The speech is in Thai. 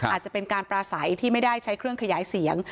อาจจะเป็นการปราศัยที่ไม่ได้ใช้เครื่องขยายเสียง